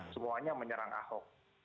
semuanya menyerang ahok